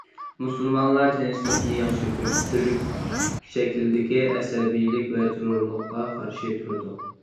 مۇسۇلمانلار تىنچلىقنى ياخشى كۆرىدۇ، تۈرلۈك شەكىلدىكى ئەسەبىيلىك ۋە تېررورلۇققا قارشى تۇرىدۇ.